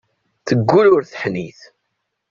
Teggull ur teḥnit.